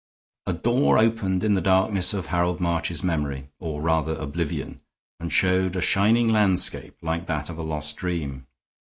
A door opened in the darkness of Harold March's memory, or, rather, oblivion, and showed a shining landscape, like that of a lost dream.